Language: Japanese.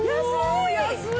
お安い！